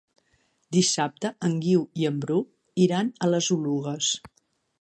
Dissabte en Guiu i en Bru iran a les Oluges.